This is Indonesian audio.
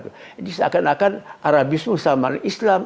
jadi seakan akan arabisme selama ada islam